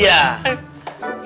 itu maling menisahkannya